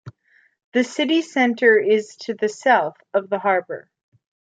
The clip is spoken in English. The city centre is to the south of the harbour.